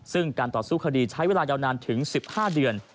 ซึ่งการต่อสู้คดีใช้เวลายาวนานถึง๑๕เดือน